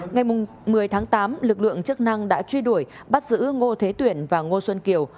ngày một mươi tháng tám lực lượng chức năng đã truy đuổi bắt giữ ngô thế tuyển và ngô xuân kiều